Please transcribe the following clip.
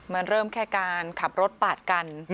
มันเริ่มแค่การขับรถปาดกัน